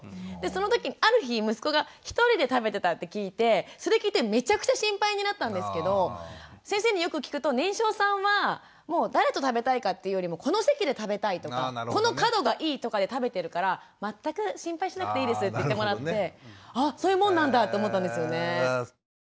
その時ある日息子がひとりで食べてたって聞いてそれ聞いてめちゃくちゃ心配になったんですけど先生によく聞くと年少さんは誰と食べたいかっていうよりもこの席で食べたいとかこの角がいいとかで食べてるから全く心配しなくていいですって言ってもらってあっそういうもんなんだって思ったんですよね。